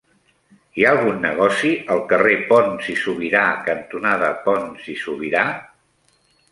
Hi ha algun negoci al carrer Pons i Subirà cantonada Pons i Subirà?